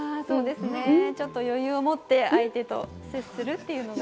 余裕を持って相手と接するというのが。